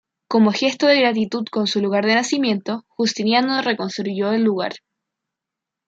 Como gesto de gratitud con su lugar de nacimiento, Justiniano reconstruyó el lugar.